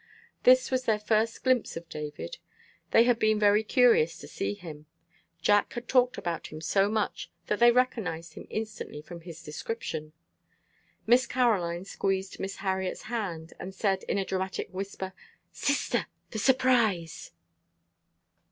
This was their first glimpse of David. They had been very curious to see him. Jack had talked about him so much that they recognized him instantly from his description. Miss Caroline squeezed Miss Harriet's hand, and said in a dramatic whisper, "Sister! the surprise."